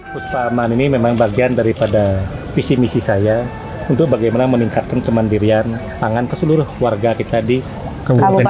puspa aman ini memang bagian daripada visi misi saya untuk bagaimana meningkatkan kemandirian pangan ke seluruh warga kita di kabupaten